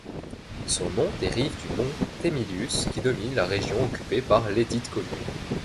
Son nom dérive du Mont Émilius, qui domine la région occupée par lesdites communes.